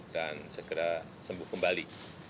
dan segera sembuh kembali